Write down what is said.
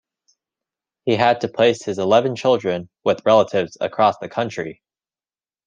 He had to place his eleven children with relatives across the country.